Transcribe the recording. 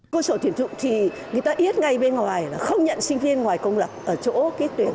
cơ sở tuyển dụng thì người ta ít ngay bên ngoài không nhận sinh viên ngoài công lập ở chỗ tuyển